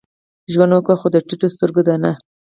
ژوند وکه؛ خو د ټيټو سترګو دا نه.